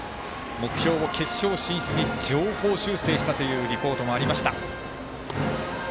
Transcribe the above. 目標を「決勝進出」に上方修正したというリポートもありました。